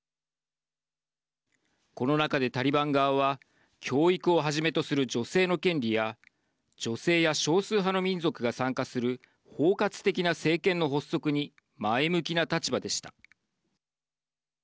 この中でタリバン側は教育をはじめとする女性の権利や女性や少数派の民族が参加する包括的な政権の発足に前向きな立場でした。